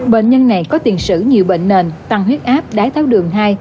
bệnh nhân này có tiền sử nhiều bệnh nền tăng huyết áp đái tháo đường hai